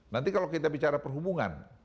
nanti kalau kita bicara perhubungan